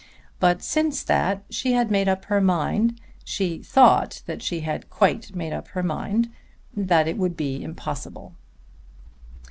But since that she had made up her mind, she thought that she had quite made up her mind, that it would be impossible.